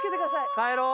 帰ろう。